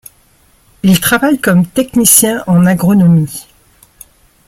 Il travaille comme technicien en agronomie.